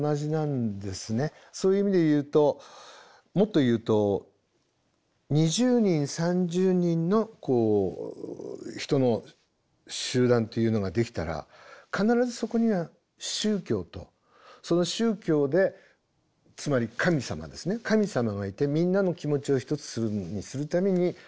そういう意味で言うともっと言うと２０人３０人のこう人の集団というのができたら必ずそこには宗教とその宗教でつまり神様ですね神様がいてみんなの気持ちを一つにするためにそういう宗教的なものがいる。